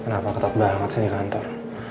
kenapa ketat banget sih di kantor